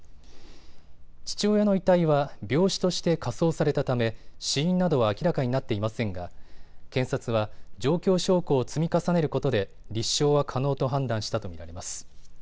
父親の遺体は病死として火葬されたため死因などは明らかになっていませんが検察は状況証拠を積み重ねることで立証は可能と判断したと見られます。